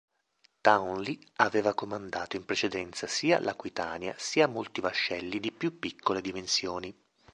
Townley aveva comandato in precedenza sia l"'Aquitania" sia molti vascelli di più piccole dimensioni.